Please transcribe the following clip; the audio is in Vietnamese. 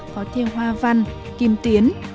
có thêm hoa văn kim tiến